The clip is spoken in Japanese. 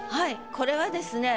これはですね